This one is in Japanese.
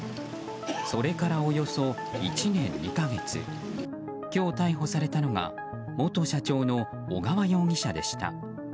それからおよそ１年２か月今日逮捕されたのが元社長の小川容疑者でした。